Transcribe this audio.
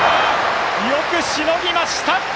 よくしのぎました！